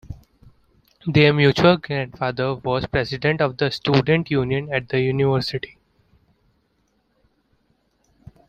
Their mutual grandfather was president of the students union at the University.